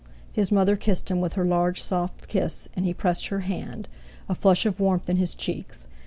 His mother kissed him with her large soft kiss, and he pressed her hand, a flush of warmth in his cheeks.